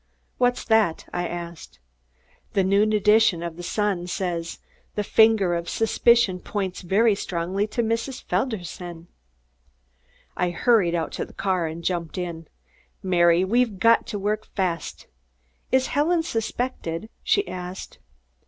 "What's that?" I asked. "The noon edition of The Sun says, 'The finger of suspicion points very strongly to Mrs. Felderson.'" I hurried out to the car and jumped in. "Mary, we've got to work fast." "Is Helen suspected?" she asked.